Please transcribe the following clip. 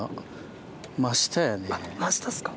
真下っすか。